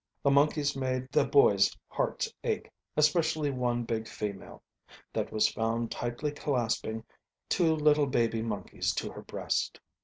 The monkeys made the boys' hearts ache, especially one big female, that was found tightly clasping two little baby monkeys to her breast.